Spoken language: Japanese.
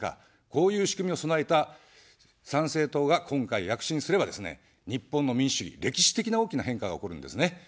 こういう仕組みを備えた参政党が今回、躍進すればですね、日本の民主主義に歴史的な大きな変化が起こるんですね。